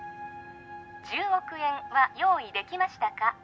１０億円は用意できましたか？